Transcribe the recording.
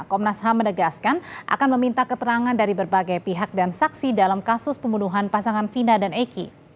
komnas ham menegaskan akan meminta keterangan dari berbagai pihak dan saksi dalam kasus pembunuhan pasangan fina dan eki